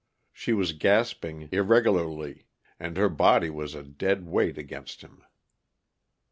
She was gasping irregularly, and her body was a dead weight against him.